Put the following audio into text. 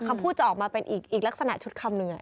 คำพูดจะออกมาเป็นอีกลักษณะชุดคำหนึ่ง